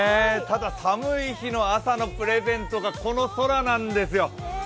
ただ寒い日の朝のプレゼントがこの空なんですよ。